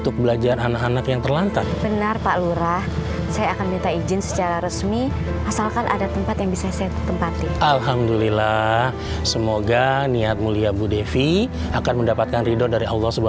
kan uang aku masih ada di temen kamu di investasi itu